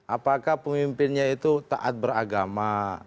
apakah pemimpinnya itu taat beragama